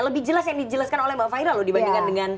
lebih jelas yang dijelaskan oleh mbak fahira loh dibandingkan dengan